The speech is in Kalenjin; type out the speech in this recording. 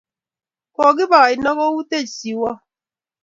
Kokibe aino koutech siiwot